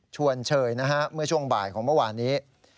เชยนะฮะเมื่อช่วงบ่ายของเมื่อวานนี้